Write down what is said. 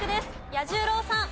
彌十郎さん。